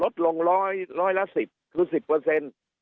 ลดลงร้อยร้อยละ๑๐คือ๑๐